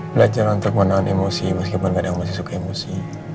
belajar untuk menahan emosi meskipun kadang masih suka emosi